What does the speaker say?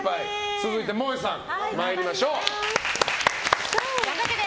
続いて、もえさん参りましょう。